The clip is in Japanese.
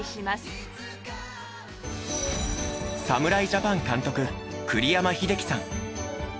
侍ジャパン監督栗山英樹さん。